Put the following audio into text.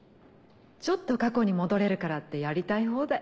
ちょっと過去に戻れるからってやりたい放題。